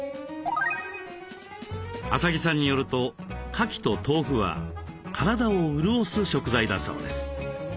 麻木さんによるとかきと豆腐は体を潤す食材だそうです。